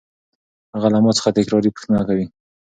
هغه له ما څخه تکراري پوښتنه کوي.